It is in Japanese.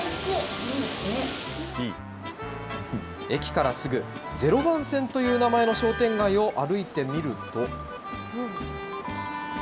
駅からすぐ、０番線という名前の商店街を歩いてみると。